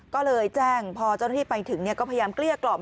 ก็เลยแจ้งพอเจ้าหน้าที่ไปถึงก็พยายามเกลี้ยกล่อม